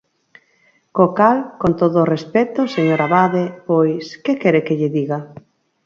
Co cal, con todo o respecto, señor Abade, pois, ¿que quere que lle diga?